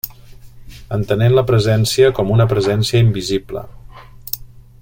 Entenent la presència, com una presència invisible.